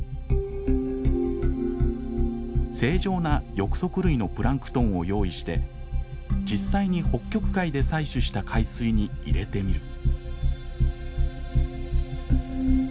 正常な翼足類のプランクトンを用意して実際に北極海で採取した海水に入れてみる。